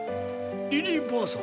リリーばあさん？